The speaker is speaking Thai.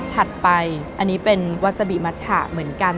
ถัดไปอันนี้เป็นวัสิมัชฉะเหมือนกัน